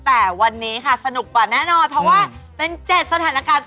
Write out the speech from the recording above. แต่วันนี้ค่ะสนุกกว่าแน่นอนเพราะว่าเป็น๗สถานการณ์